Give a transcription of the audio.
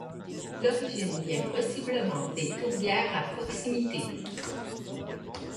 L'origine vient possiblement des tourbières à proximité.